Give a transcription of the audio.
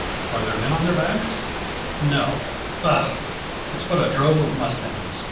Are there men on their backs? No. Bah! it's but a drove of mustangs.